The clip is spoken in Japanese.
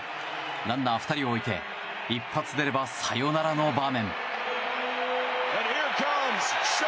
ランナー２人を置いて一発出ればサヨナラの場面。